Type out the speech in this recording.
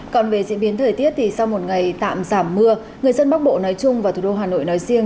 còn về diễn biến thời tiết thì sau một ngày tạm giảm mưa người dân bắc bộ nói chung và thủ đô hà nội nói riêng